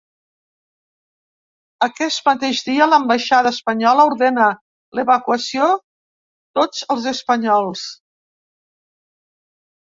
Aquest mateix dia, l'ambaixada espanyola ordena l'evacuació tots els espanyols.